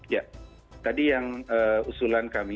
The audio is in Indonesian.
ya tadi yang usulan kami